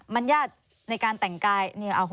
มันญาติในการแต่งกาย